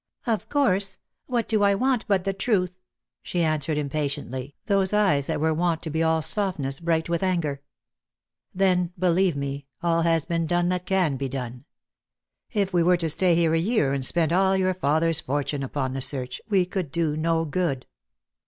" Of course; what do I want but the truth?" she answered impatiently, those eyes that were wont to be all softness bright with anger. " Then, believe me, all has been done that can be done. If we were to stay here a year, and spend all your father's fortune upon the search, we could do no good.